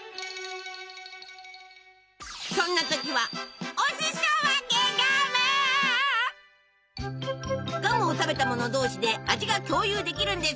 そんな時はガムを食べた者同士で味が共有できるんです！